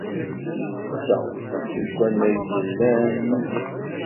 Yezdeɣ deg wannag yellan nnig-i.